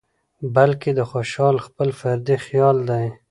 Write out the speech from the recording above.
بلکې د خوشال خپل فردي خيال دى